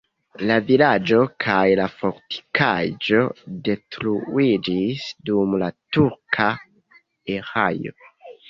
La vilaĝo kaj la fortikaĵo detruiĝis dum la turka erao.